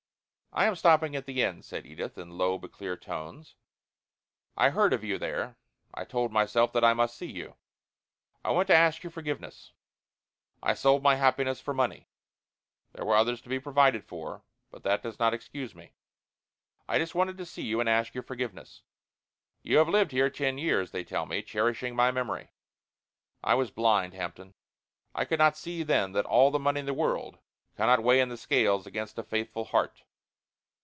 "I am stopping at the inn," said Edith, in low but clear tones. "I heard of you there. I told myself that I must see you. I want to ask your forgiveness. I sold my happiness for money. There were others to be provided for but that does not excuse me. I just wanted to see you and ask your forgiveness. You have lived here ten years, they tell me, cherishing my memory! I was blind, Hampton. I could not see then that all the money in the world cannot weigh in the scales against a faithful heart.